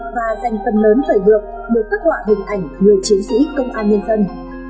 và dành phần lớn phải được được phát họa hình ảnh người chiến sĩ công an nhân dân